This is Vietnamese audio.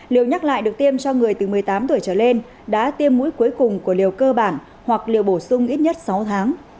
liều nhắc lại được tiêm cho người từ một mươi tám tuổi trở lên đã tiêm mũi cuối cùng của liều cơ bản hoặc liều bổ sung ít nhất sáu tháng